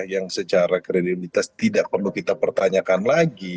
yang secara kredibilitas tidak perlu kita pertanyakan lagi